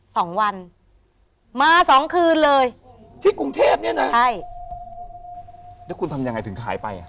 สองวันมาสองคืนเลยที่กรุงเทพเนี้ยนะใช่แล้วคุณทำยังไงถึงขายไปอ่ะ